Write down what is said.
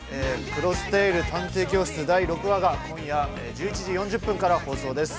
◆「クロステイル探偵教室」が今夜１１時４０分から放送です。